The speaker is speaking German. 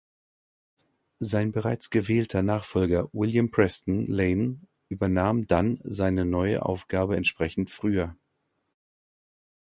Sein bereits gewählter Nachfolger William Preston Lane übernahm dann seine neue Aufgabe entsprechend früher.